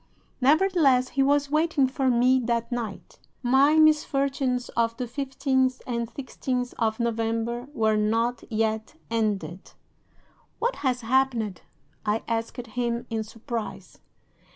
Nevertheless, he was waiting for me that night. My misfortunes of the 15th and 16th of November were not yet ended. "'"What has happened?" I asked him, in surprise.